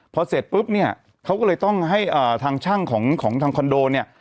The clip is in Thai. พอเสร็จปุ๊บเนี่ยเขาก็เลยต้องให้ทางช่างของทางคอนโดเนี่ย